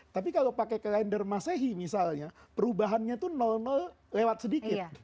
tapi kalau pakai kalender masehi misalnya perubahannya tuh nol nol lewat sedikit